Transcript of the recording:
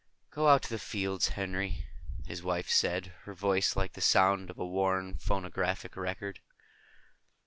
"Go out to the fields, Henry," his wife said, her voice like the sound of a worn phonograph record.